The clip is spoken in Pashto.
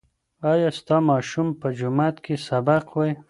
ایا ستا ماشوم په جومات کې سبق وایي؟